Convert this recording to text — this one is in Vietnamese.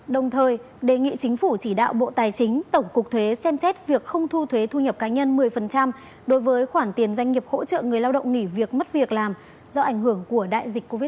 đồng thời đề nghị chính phủ chỉ đạo bộ tài chính tổng cục thuế xem xét việc không thu thuế thu nhập cá nhân một mươi đối với khoản tiền doanh nghiệp hỗ trợ người lao động nghỉ việc mất việc làm do ảnh hưởng của đại dịch covid một mươi chín